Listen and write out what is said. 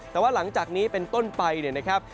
แต่ว่าหลังจากนี้เป็นต้นไปเนี่ยนะครับ